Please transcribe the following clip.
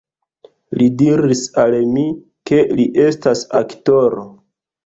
Li diris al mi, ke li estas aktoro.